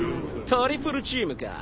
トリプルチームか。